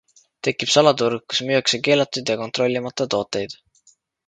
Tekib salaturg, kus müüakse keelatuid ja kontrollimata tooteid.